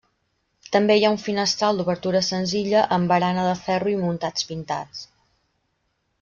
També hi ha un finestral d'obertura senzilla amb barana de ferro i muntants pintats.